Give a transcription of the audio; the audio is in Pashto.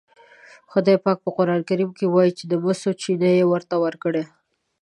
خدای پاک په قرآن کې وایي چې د مسو چینه یې ورته ورکړه.